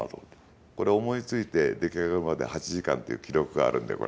これ思いついて出来上がるまで８時間っていう記録があるんだよ。